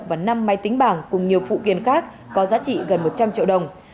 và năm máy tính bảng cùng nhiều phụ kiện khác có giá trị gần một trăm linh triệu đồng